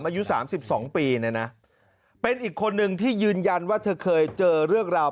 อายุ๓๒ปีเนี่ยนะเป็นอีกคนนึงที่ยืนยันว่าเธอเคยเจอเรื่องราว